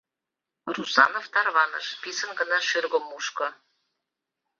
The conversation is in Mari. Русанов тарваныш, писын гына шӱргым мушко.